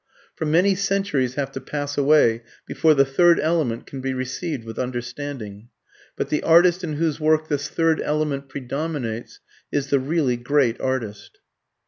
For many centuries have to pass away before the third element can be received with understanding. But the artist in whose work this third element predominates is the really great artist.